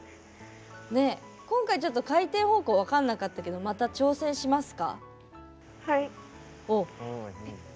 今回、ちょっと回転方向分からなかったけどまた挑戦しますか？